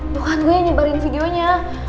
lu kan gue yang nyebarin videonya